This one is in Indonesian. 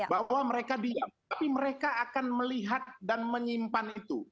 bahwa mereka diam tapi mereka akan melihat dan menyimpan itu